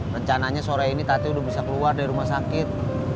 rencananya sore ini tati udah bisa keluar dari rumah sakit